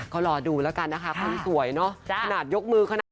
ก็รอดูแล้วกันนะคะคนสวยเนอะขนาดยกมือขนาด